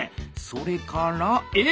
それからえ！